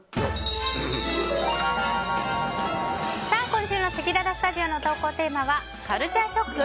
今週のせきららスタジオの投稿テーマはカルチャーショック！？